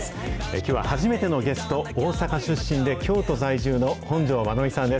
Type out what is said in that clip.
きょうは初めてのゲスト、大阪出身で京都在住の本上まなみさんです。